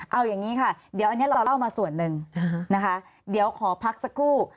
เอาอย่างนี้ค่ะเดี๋ยวอันนี้เราเล่ามาส่วนหนึ่งนะคะเดี๋ยวขอพักสักครู่